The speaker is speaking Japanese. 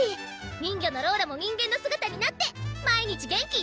人魚のローラも人間の姿になって毎日元気いっぱい！